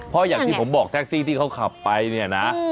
เพราะอย่างที่ผมบอกแท็กซี่ที่เขาขับไปเนี่ยนะ